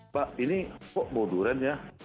pak ini kok bobo durian